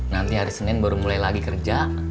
nanti hari senin baru mulai lagi kerja